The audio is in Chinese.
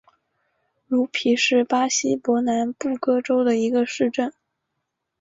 茹皮是巴西伯南布哥州的一个市镇。